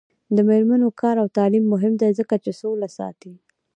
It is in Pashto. د میرمنو کار او تعلیم مهم دی ځکه چې سوله ساتي.